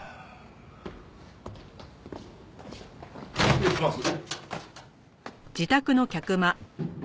失礼します。